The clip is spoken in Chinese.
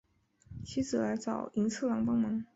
妻子来找寅次郎帮忙。